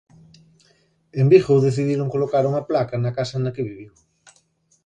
En Vigo decidiron colocar unha placa na casa na que viviu.